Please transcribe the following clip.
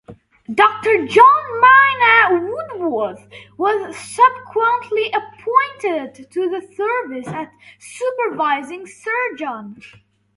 Doctor John Maynard Woodworth was subsequently appointed to the Service as Supervising Surgeon.